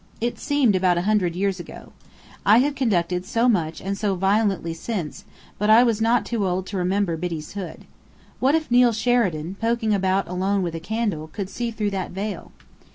It seemed about a hundred years ago. I had conducted so much and so violently since; but I was not too old to remember Biddy's hood. What if Neill Sheridan, poking about alone with a candle, could see through that veil?